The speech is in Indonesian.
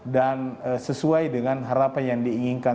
dan sesuai dengan harapan yang diinginkan